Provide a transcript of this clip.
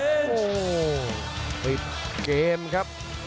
โอ้โหโอ้โหโอ้โหโอ้โหโอ้โหโอ้โหโอ้โห